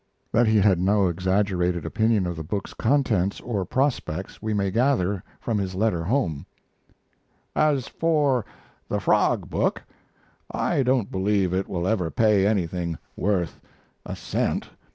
That he had no exaggerated opinion of the book's contents or prospects we may gather from his letter home: As for the Frog book, I don't believe it will ever pay anything worth a cent.